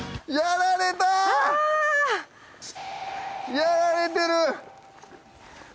やられてる！